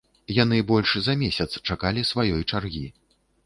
Яны больш за месяц чакалі сваёй чаргі.